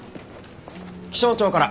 気象庁から。